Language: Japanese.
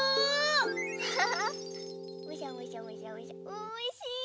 おいしい。